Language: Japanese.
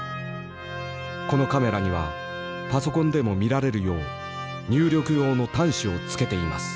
このカメラにはパソコンでも見られるよう入力用の端子を付けています」。